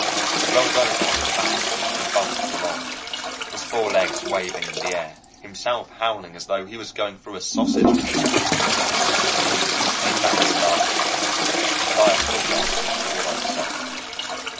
He rolled over on his back and bumped along, his four legs waving in the air, himself howling as though he was going through a sausage machine. Steve came back and laughed at me, and I apologized for what I'd said.